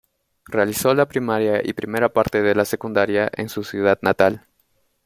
Realizó la primaria y primera parte de la secundaria en su ciudad natal.